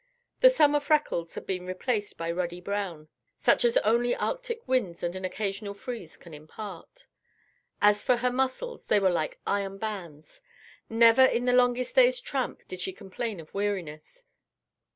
The summer freckles had been replaced by ruddy brown, such as only Arctic winds and an occasional freeze can impart. As for her muscles, they were like iron bands. Never in the longest day's tramp did she complain of weariness.